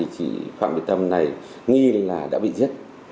chị phạm thị tâm này nghi là đã bị giết